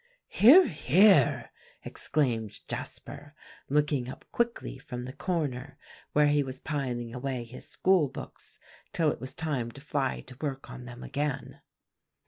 "Here, here!" exclaimed Jasper, looking up quickly from the corner where he was piling away his school books till it was time to fly to work on them again.